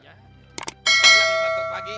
lihat lima truk lagi